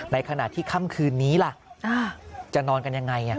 ในขณะที่ค่ำคืนนี้ล่ะจะนอนกันยังไง